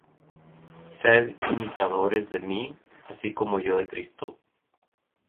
Sed imitadores de mí, así como yo de Cristo.